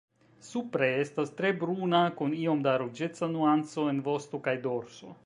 Supre estas tre bruna kun iom da ruĝeca nuanco en vosto kaj dorso.